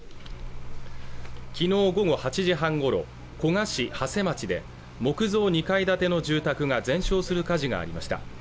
昨日午後８時半ごろ古河市長谷町で木造２階建ての住宅が全焼する火事がありました